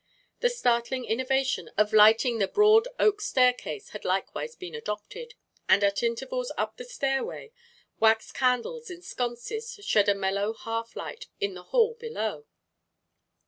The startling innovation of lighting the broad oak staircase had likewise been adopted, and at intervals up the stairway wax candles in sconces shed a mellow half light in the hall below.